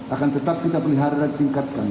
akan tetap kita pelihara dan tingkatkan